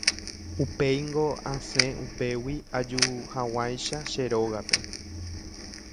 Upéingo asẽ upégui ajuhag̃uáicha che rógape.